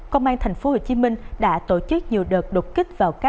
công an tp hcm đã tổ chức nhiều đợt đột kích vào quốc gia